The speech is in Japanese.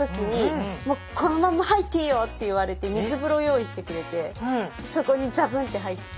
「もうこのまんま入っていいよ」って言われて水風呂用意してくれてそこにザブンって入って。